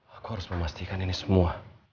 aku harus memastikan ini semua